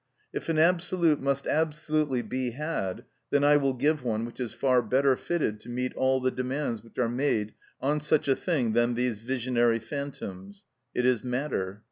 If an absolute must absolutely be had, then I will give one which is far better fitted to meet all the demands which are made on such a thing than these visionary phantoms; it is matter.